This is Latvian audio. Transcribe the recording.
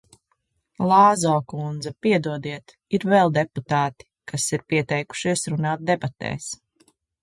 Lāzo kundze, piedodiet, ir vēl deputāti, kas ir pieteikušies runāt debatēs.